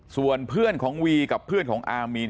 ส่วนเพื่อนของวีกับเพื่อนของอามีน